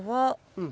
うん。